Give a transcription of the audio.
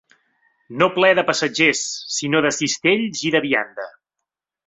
No ple de passatgers, sinó de cistells i de vianda.